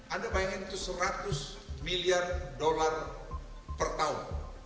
anda bayangin itu seratus miliar dolar per tahun